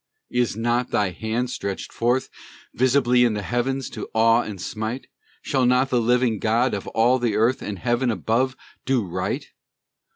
Is not Thy hand stretched forth Visibly in the heavens, to awe and smite? Shall not the living God of all the earth, And heaven above, do right?